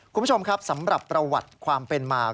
คุณผู้ชมครับสำหรับประวัติความเป็นมา